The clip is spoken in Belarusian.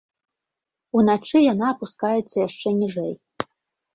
Уначы яна апускаецца яшчэ ніжэй.